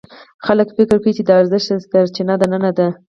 خلک فکر کوي د ارزښت سرچینه دننه ده.